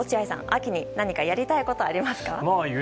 秋に何かやりたいことあります？